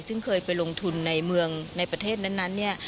ซึ่งเคยไปลงทุนในเมืองในประเทศนั้นเนี่ย